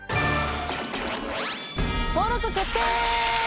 登録決定！